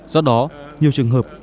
do đó nhiều trường hợp